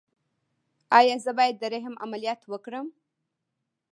ایا زه باید د رحم عملیات وکړم؟